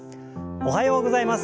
おはようございます。